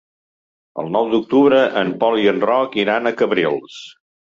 El nou d'octubre en Pol i en Roc iran a Cabrils.